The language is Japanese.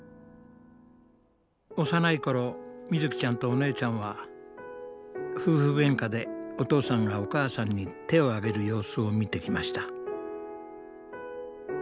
幼い頃みずきちゃんとお姉ちゃんは夫婦げんかでお父さんがお母さんに手を上げる様子を見てきました。